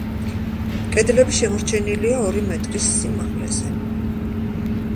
კედლები შემორჩენილია ორი მეტრის სიმაღლეზე.